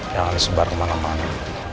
jangan disebar kemana mana